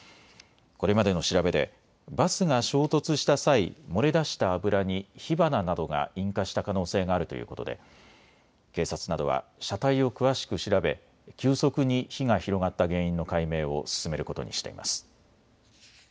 これまでの調べでバスが衝突した際、漏れ出した油に火花などが引火した可能性があるということで警察などは車体を詳しく調べ急速に火が広がった原因の解明を進めることにしています。